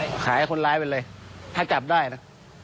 ขายให้คนร้ายไปเลยถ้าจับได้นะ